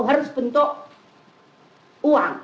harus bentuk uang